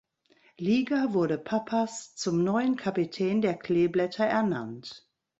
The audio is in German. Liga wurde Pappas zum neuen Kapitän der Kleeblätter ernannt.